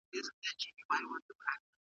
د ټولني پرمختګ بې له سياسته شونی نه دی.